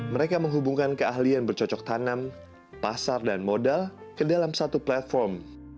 mereka menghubungkan keahlian bercocok tanam pasar dan modal ke dalam satu platform